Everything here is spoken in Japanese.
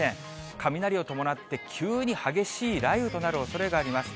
雷を伴って急に激しい雷雨となるおそれがあります。